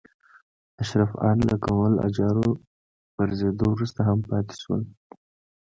اشراف ان له کهول اجاو پرځېدو وروسته هم پاتې شول.